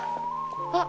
あっ。